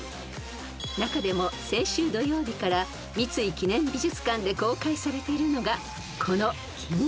［中でも先週土曜日から三井記念美術館で公開されているのが］